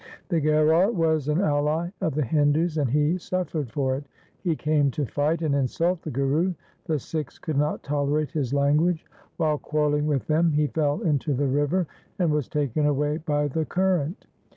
The Gherar was an ally of the Hindus, and he suffered for it. He came to fight and insult the Guru. The Sikhs could not tolerate his language. While quarrelling with them, he fell into the river, and was taken away by the current.